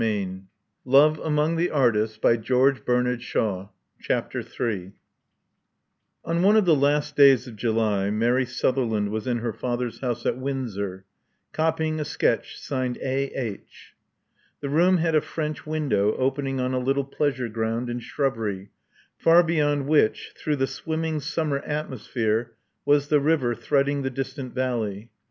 If you will risk that, I consent*' CHAPTER III On one of the last days of July, Mary Sutherland was in her father's house at Windsor, copying a sketch signed A. H. The room had a French window open ing on a little pleasure groimd and shrubber}% far beyond which, through the swimming summer atmos phere, was the river threading the distant valley.